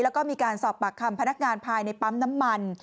แล้วก็มีการสอบปากคำพนักงานภายในปั๊มน้ำมัน